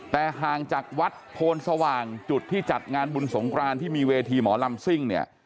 แต่ห่างจากวัดโพนสว่างจุดที่จัดงานบุญสงครานที่มีเวทีหมอลำซิ่งเนี่ย